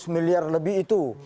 lima ratus miliar lebih itu